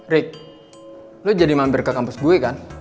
rick lo jadi mampir ke kampus gue kan